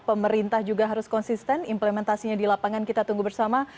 pemerintah juga harus konsisten implementasinya di lapangan kita tunggu bersama